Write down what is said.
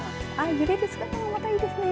揺れる姿もまたいいですね。